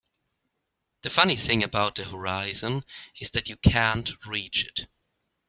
The funny thing about the horizon is that you can't reach it.